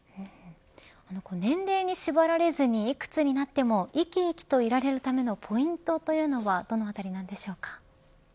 年齢に縛られずにいくつになっても生き生きといられるためのポイントというのはどのあたりなんでしょうか。